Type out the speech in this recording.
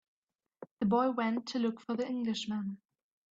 The boy went to look for the Englishman.